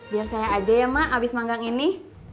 biar saya aja ya mak abis manggang ini